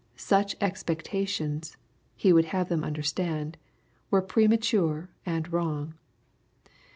Such expectations, He would have them understand, were premature and wrong.